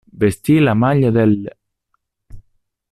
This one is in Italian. Vestì la maglia dell'.